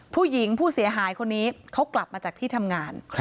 ผู้หญิงผู้เสียหายคนนี้เขากลับมาจากที่ทำงาน